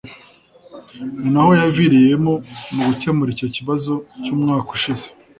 ni naho haviriyemo mu gukemura icyo kibzo cy’umwaka ushize